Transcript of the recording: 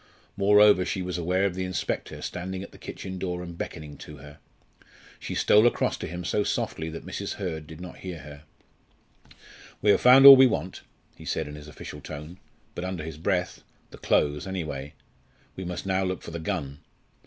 Moreover, she was aware of the inspector standing at the kitchen door and beckoning to her. She stole across to him so softly that Mrs. Hurd did not hear her. "We have found all we want," he said in his official tone, but under his breath "the clothes anyway. We must now look for the gun.